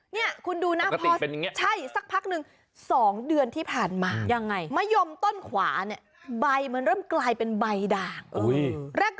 เนี่ยคุณดูนะพอใช่สักพักนึง๒เดือนที่ผ่านมายังไงมะยมต้นขวาเนี่ยใบมันเริ่มกลายเป็นใบด่าง